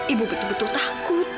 ibu betul betul takut